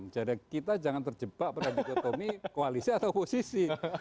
jadi kita jangan terjebak pada dikotomi koalisi atau posisi